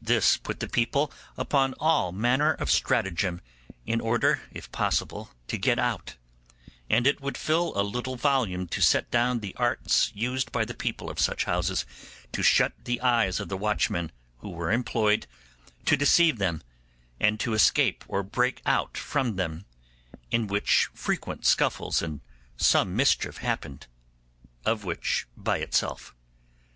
This put the people upon all manner of stratagem in order, if possible, to get out; and it would fill a little volume to set down the arts used by the people of such houses to shut the eyes of the watchmen who were employed, to deceive them, and to escape or break out from them, in which frequent scuffles and some mischief happened; of which by itself.